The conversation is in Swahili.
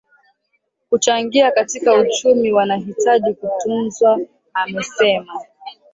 kuchangia katika uchumi wanahitaji kutunzwa Amesema